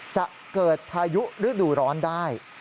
จะเกิดพายุฤดูร้อนได้